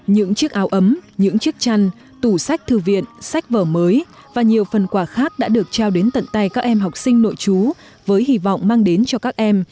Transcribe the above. những chiếc áo ấm những chiếc chăn tủ sách thư viện sách vở mới và nhiều phần quà khác đã được trao đến tận tay các em học sinh nội chú với hy vọng mang đến cho các em